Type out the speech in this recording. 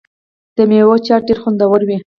د میوو چاټ ډیر خوندور وي.